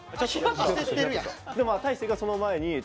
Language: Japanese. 焦ってるやん。